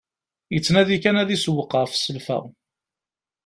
Yettnadi kan ad isewweq ɣef selfa.